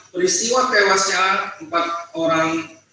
peristiwa tewasnya empat orang